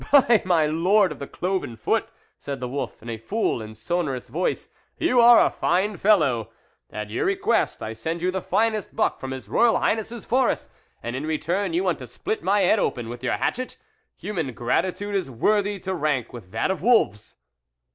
" By my lord of the cloven foot," said the wolf, in a full and sonorous voice, " you are a fine fellow ! At your request, I send you the finest buck from His Royal Highness's forests, and in return, you want to split my head open with your hatchet ; human gratitude is worthy to rank with that of wolves."